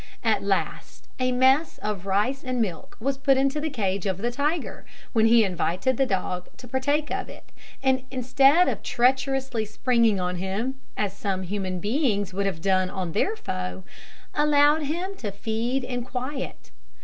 At last a mess of rice and milk was put into the cage of the tiger, when he invited the dog to partake of it, and instead of treacherously springing on him, as some human beings would have done on their foe, allowed him to feed in quiet.